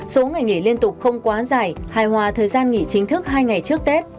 số ngày nghỉ liên tục không quá dài hài hòa thời gian nghỉ chính thức hai ngày trước tết